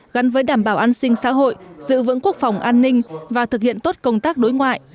gắn với đảm bảo an sinh xã hội giữ vững quốc phòng an ninh và thực hiện tốt công tác đối ngoại